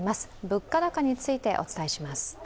物価高についてお伝えします。